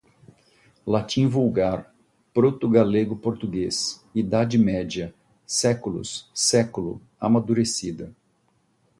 latim vulgar, proto-galego-português, Idade Média, séculos, século, amadurecida